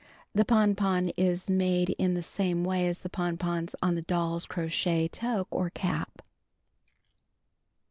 The pompon is made in the same way as the jionipons on the Doll's Crochet Tocjue or Cap.